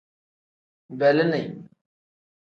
Beleeni.